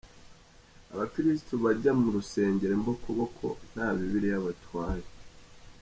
Abakirisitu bajya mu rusengero imbokoboko nta bibiliya batwaye.